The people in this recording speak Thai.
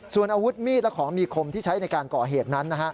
ส่วนอาวุธมีดและของมีคมที่ใช้ในการก่อเหตุนั้น